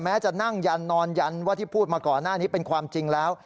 จะนั่งยันนอนยันว่าที่พูดมาก่อนหน้านี้เป็นความจริงแล้ว